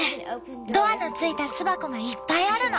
ドアのついた巣箱がいっぱいあるの。